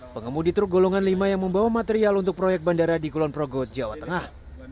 pengemudi truk golongan lima yang membawa material untuk proyek bandara di kulon progo jawa tengah